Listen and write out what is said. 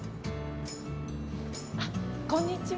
あこんにちは。